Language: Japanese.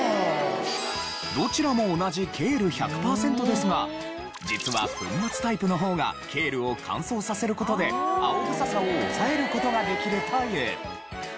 どちらも同じケール１００パーセントですが実は粉末タイプの方がケールを乾燥させる事で青臭さを抑える事ができるという。